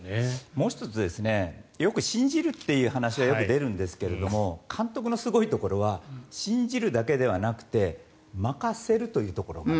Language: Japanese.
もう１つ信じるという話がよく出るんですが監督のすごいところは信じるだけではなくて任せるというところ。